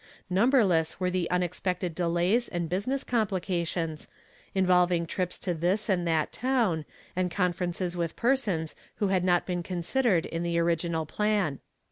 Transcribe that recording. Numberless were the unexpected delays 180 YESTERDAY FRAMED IN TO DAY, and business roniplications, involving trips co this unci that town, and conferences with pereons wlio liad not been considered in the original plan.